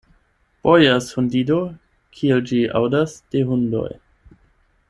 Bojas hundido, kiel ĝi aŭdas de hundoj.